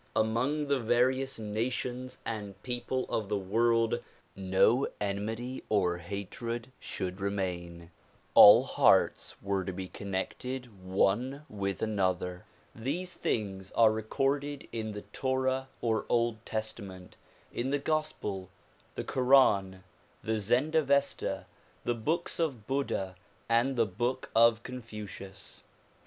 Among the various nations and peoples of the world no enmity or hatred should remain. 216 THE PROMULGATION OF UNIVERSAL PEACE All hearts were to be connected one with another. These things are recorded in the torah or old testament, in the gospel, the koran, the zend avesta, the books of Buddha and the book of Confucius.